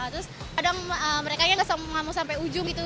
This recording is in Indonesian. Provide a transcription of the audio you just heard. terus kadang mereka yang gak mau sampai ujung gitu